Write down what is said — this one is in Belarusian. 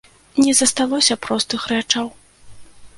Не засталося простых рэчаў.